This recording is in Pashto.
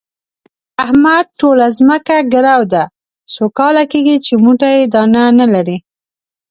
د احمد ټوله ځمکه ګرو ده، څو کاله کېږي چې موټی دانه نه لري.